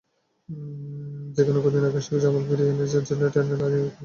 যেখানে কদিন আগেই শেখ জামাল ফিরিয়ে এনেছে আর্জেন্টাইন ট্রেনার আরিয়ের কোলম্যানকে।